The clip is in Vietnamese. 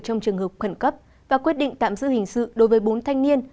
trong trường hợp khẩn cấp và quyết định tạm giữ hình sự đối với bốn thanh niên